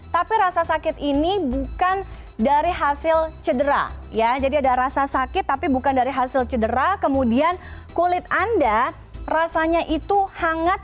tapi rasa sakit ini bukan dari hasil cedera ya jadi ada rasa sakit tapi bukan dari hasil cedera kemudian kulit anda rasanya itu hangat